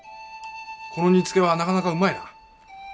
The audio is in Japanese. この煮つけはなかなかうまいな。